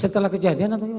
setelah kejadian atau gimana